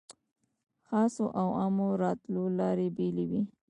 خاصو او عامو د راتلو لارې بېلې وې.